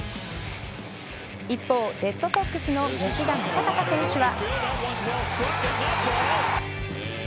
一方、レッドソックスの吉田正尚選手は。